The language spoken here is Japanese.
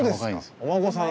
お孫さん。